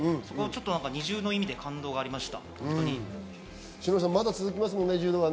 二重の意味で感動がありました。